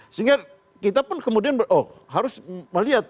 sehingga kita pun kemudian oh harus melihat